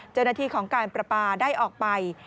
เจ้าหน้าที่ของการประปาได้ออกไป